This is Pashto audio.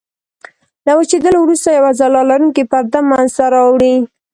له وچېدلو وروسته یوه ځلا لرونکې پرده منځته راوړي.